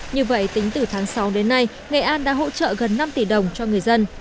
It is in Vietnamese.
như vậy tính từ tháng sáu đến nay nghệ an đã hỗ trợ gần năm tỷ đồng cho người dân